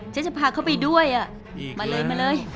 ฉันจะพาเขาไปด้วยมาเลย